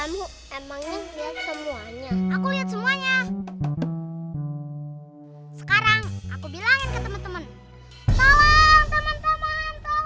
di rumahnya putri ada penyihir